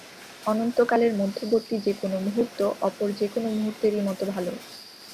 অনন্তকালের মধ্যবর্তী যে-কোন মুহূর্ত অপর যে-কোন মুহূর্তেরই মত ভাল।